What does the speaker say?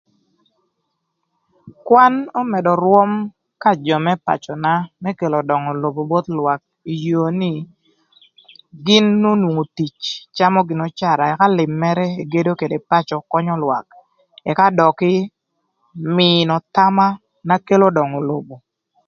Kwan ömëdö rwöm ka jö më pacöna më kelo döngö lobo both lwak ï yoo nï gïn onwongo tic camö gïnï öcara ëka lïm mërë egedo ködë pacö könyö lwak ëka dökï mïnö thama na kelo döngö lobo.